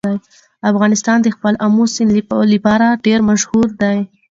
افغانستان د خپل آمو سیند لپاره ډېر مشهور دی.